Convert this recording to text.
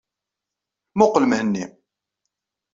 Mmuqqel Mhenni.